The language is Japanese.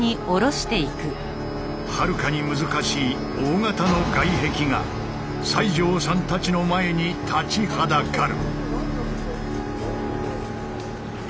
はるかに難しい大型の外壁が西城さんたちの前に立ちはだかる。